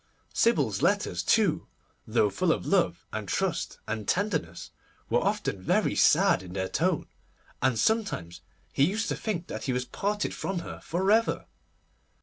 Sybil's letters, too, though full of love, and trust, and tenderness, were often very sad in their tone, and sometimes he used to think that he was parted from her for ever.